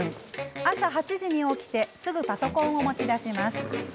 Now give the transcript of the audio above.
朝８時に起きてすぐパソコンを持ち出します。